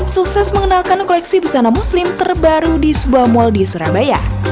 sukses mengenalkan koleksi busana muslim terbaru di sebuah mal di surabaya